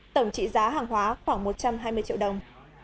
tổng trị giá hàng hóa khoảng một trăm hai mươi triệu đồng